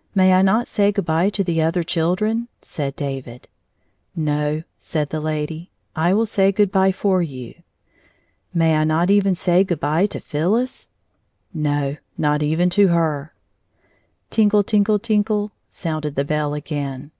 " May I not say good by to the other children ?" said David. " No," said the lady ;" I will say good by for you." " May I not even say good by to PhyUis ?"" No ; not even to her." Tinkle tinkle tinkle ! sounded the bell again.